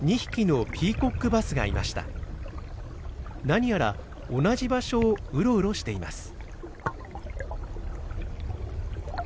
何やら同じ場所をウロウロしています。